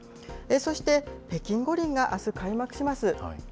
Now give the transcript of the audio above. そして北京五輪があす開幕します。